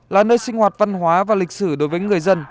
là nơi sinh hoạt văn hóa và lịch sử đối với người dân